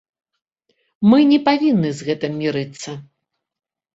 Мы не павінны з гэтым мірыцца!